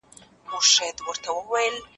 ویل کېږي چې صبر د بریالیتوب کلۍ ده.